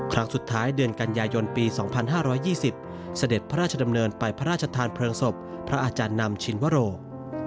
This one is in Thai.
ครั้งสุดท้ายเดือนกันยายนปี๒๕๒๐เสด็จพระราชดำเนินไปพระราชทานเพลิงศพพระอาจารย์นำชินวโรค